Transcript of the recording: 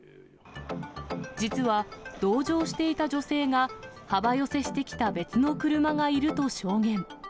実は、同乗していた女性が、幅寄せしてきた別の車がいると証言。